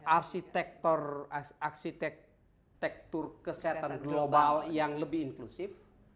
arsitek arsitektur kesehatan global yang lebih inklusif